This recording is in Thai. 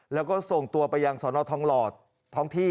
แล้วก็ส่งตัวไปยังสนทองหลอดท้องที่